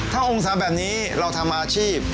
ถ้าองศาแบบนี้เราทำอาชีพ